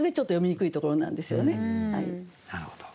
なるほど。